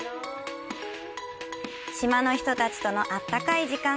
島の人たちとの、あったかい時間。